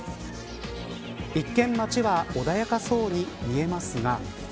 一見、街は穏やかそうに見えますが。